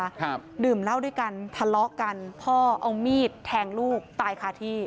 ครับดื่มเหล้าด้วยกันทะเลาะกันพ่อเอามีดแทงลูกตายคาที่